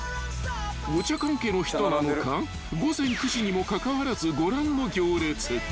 ［お茶関係の人なのか午前９時にもかかわらずご覧の］